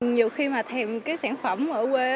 nhiều khi mà thèm cái sản phẩm ở quê